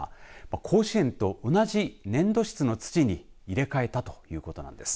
甲子園と同じ粘土質の土に入れ替えたということなんです。